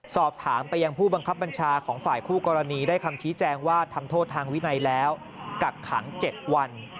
สอบถามไปยังผู้บังคับบัญชาของฝ่ายคู่กรณีได้คำชี้แจงว่าทำโทษทางวินัยแล้วกักขัง๗วัน